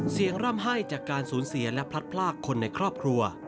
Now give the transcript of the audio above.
ร่ำไห้จากการสูญเสียและพลัดพลากคนในครอบครัว